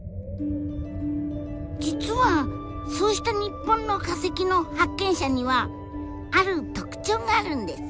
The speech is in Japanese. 実はそうした日本の化石の発見者にはある特徴があるんです。